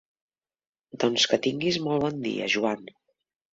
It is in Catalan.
Doncs que tinguis molt bon dia, Joan!